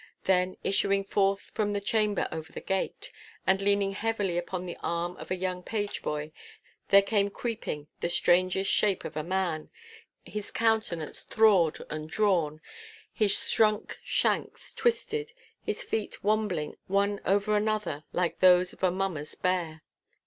Then issuing forth from the chamber over the gate, and leaning heavily upon the arm of a young page boy, there came creeping the strangest shape of a man—his countenance thrawed and drawn, his shrunk shanks twisted, his feet wambling one over another like those of a mummer's bear.